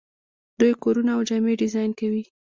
دوی کورونه او جامې ډیزاین کوي.